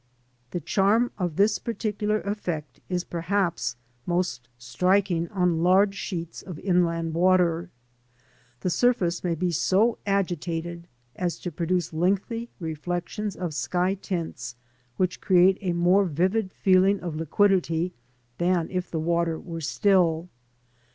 The charm of this particular effect is perhaps most striking on large sheets of inland water. The surface may be so agitated as to produce lengthy reflections of sky tints, which create a more vivid feeling of liquidity than if the water were still.